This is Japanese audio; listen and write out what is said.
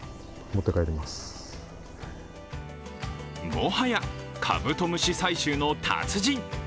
もはやカブトムシ採集の達人。